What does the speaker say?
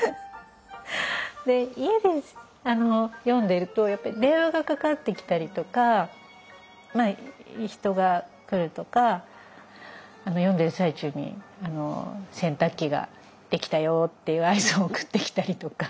家で読んでると電話がかかってきたりとか人が来るとか読んでる最中に洗濯機ができたよっていう合図を送ってきたりとか。